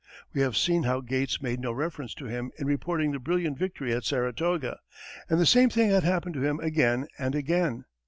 We have seen how Gates made no reference to him in reporting the brilliant victory at Saratoga; and the same thing had happened to him again and again.